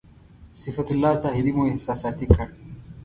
صفت الله زاهدي مو احساساتي کړ.